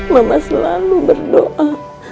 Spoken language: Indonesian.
mama selalu berdoa